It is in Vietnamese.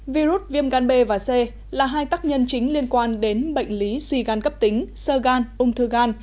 virus viêm gan b và c là hai tác nhân chính liên quan đến bệnh lý suy gan cấp tính sơ gan ung thư gan